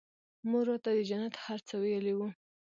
مور راته د جنت هر څه ويلي وو.